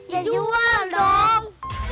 ya jual dong